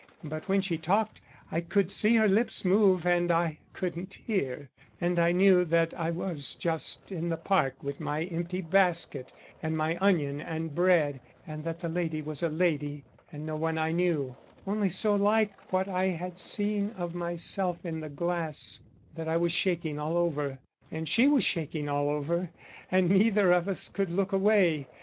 But when she talked, I could see her lips move and I couldn't hear; and I knew that I was just in the park with my empty basket and my onion and bread, and that the lady was a lady and no one I knew, only so like what I had seen of myself in the glass that I was shaking all over, and she was shaking all over, and neither of us could look away.